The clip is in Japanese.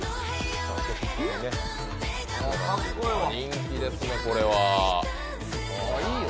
人気ですね、これは。